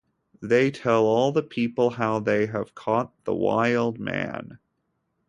They tell all the people how they have caught the Wild Man.